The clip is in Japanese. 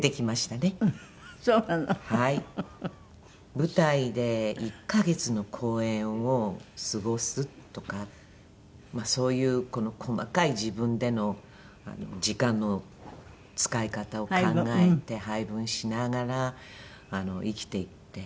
舞台で１カ月の公演を過ごすとかまあそういう細かい自分での時間の使い方を考えて配分しながら生きていって。